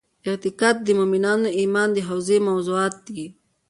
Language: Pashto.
اعتقاد د مومنانو د ایمان د حوزې موضوعات دي.